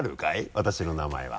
私の名前は。